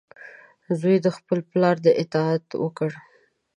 زوی د خپل پلار د امر اطاعت وکړ.